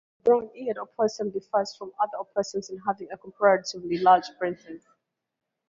The brown-eared opossum differs from other opossums in having a comparatively large braincase.